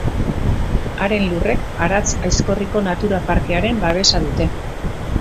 Haren lurrek Aratz-Aizkorriko natura parkearen babesa dute.